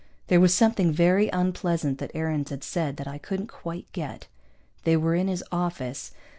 There was something very unpleasant that Aarons had said that I couldn't quite get. They were in his office.